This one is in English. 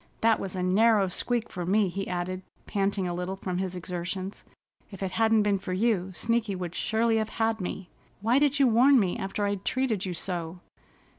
"That was a narrow squeak for me," he added, panting a little from his exertions. "If it hadn't been for you, Sneaky would surely have had me. Why did you warn me after I'd treated you so?"